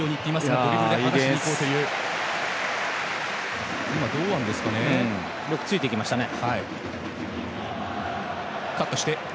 よくついていきましたね。